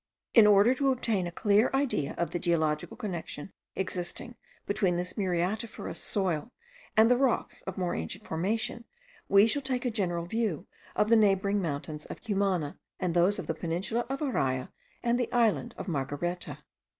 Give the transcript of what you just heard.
In order to obtain a clear idea of the geological connection existing between this muriatiferous soil and the rocks of more ancient formation, we shall take a general view of the neighbouring mountains of Cumana, and those of the peninsula of Araya, and the island of Margareta.